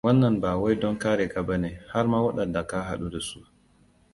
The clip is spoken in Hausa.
Wannan bawai don kare ka bane, harma waɗanda ka haɗu dasu.